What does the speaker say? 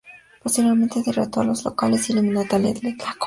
Posteriormente, derrotó a los locales y eliminó a Italia de la competencia.